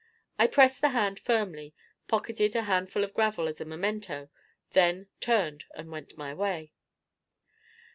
I pressed the hand firmly, pocketed a handful of gravel as a memento, then turned and went my way.